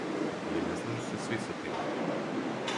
Али не слажу се сви са тим.